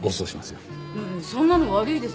そんなの悪いです。